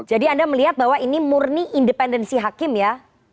anda melihat bahwa ini murni independensi hakim ya